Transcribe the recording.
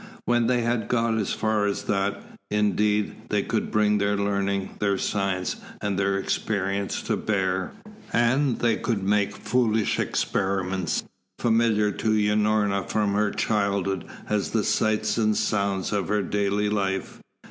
When they had got as far as that, indeed, they could bring their learning, their science, and their experience to bear and they could make foolish experiments, familiar to Unorna from her childhood as the sights and sounds of her daily life.